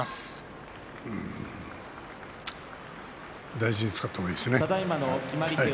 大事に使った方がいいですね。